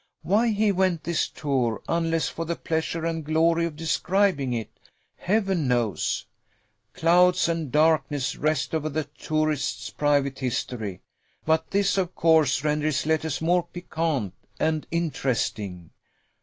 Why he went this tour, unless for the pleasure and glory of describing it, Heaven knows! Clouds and darkness rest over the tourist's private history: but this, of course, renders his letters more piquant and interesting.